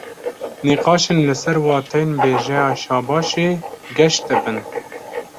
Nîqaşên li ser wateyên bêjeya "şabaş"ê geş dibin